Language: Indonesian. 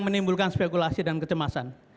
menimbulkan spekulasi dan kecemasan